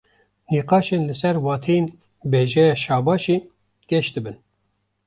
Nîqaşên li ser wateyên bêjeya "şabaş"ê geş dibin